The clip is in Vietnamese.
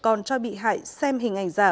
còn cho bị hại xem hình ảnh giả